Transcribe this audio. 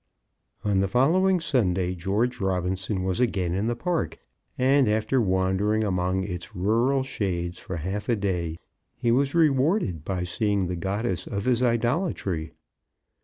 On the following Sunday George Robinson was again in the park, and after wandering among its rural shades for half a day, he was rewarded by seeing the goddess of his idolatry.